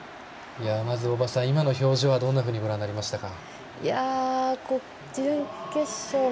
まず大場さん、今の表情はどのようにご覧になりましたか？